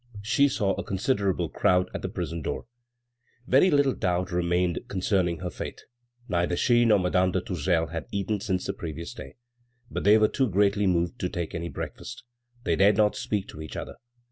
She saw a considerable crowd at the prison door. Very little doubt remained concerning her fate. Neither she nor Madame de Tourzel had eaten since the previous day. But they were too greatly moved to take any breakfast. They dared not speak to each other.